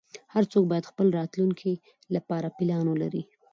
هر څوک باید خپل راتلونکې لپاره پلان ولری